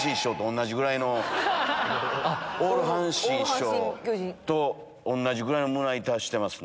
オール阪神師匠と同じぐらいの胸板してますね。